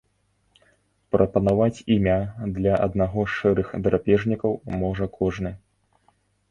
Прапанаваць імя для аднаго з шэрых драпежнікаў можа кожны.